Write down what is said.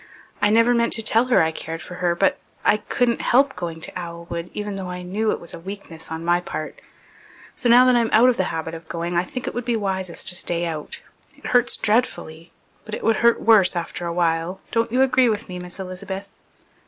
I never meant to tell her I cared for her but I couldn't help going to Owlwood, even though I knew it was a weakness on my part. So now that I'm out of the habit of going I think it would be wisest to stay out. It hurts dreadfully, but it would hurt worse after a while. Don't you agree with me, Miss Elizabeth?"